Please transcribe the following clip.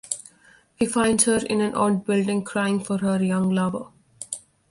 He finds her in an outbuilding crying for her young lover.